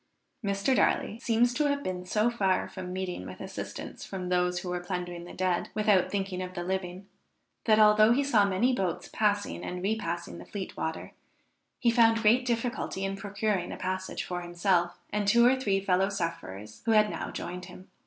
Mr. Darley seems to have been so far from meeting with assistance from those who were plundering the dead, without thinking of the living, that although he saw many boats passing and repassing the Fleet water, he found great difficulty in procuring a passage for himself and two or three fellow sufferers who had now joined him.